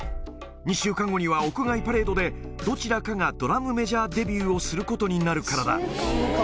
２週間後には屋外パレードでどちらかがドラムメジャーデビューをすることになるからだ。